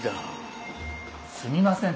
すみません